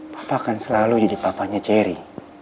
papa kan selalu jadi papanya jerry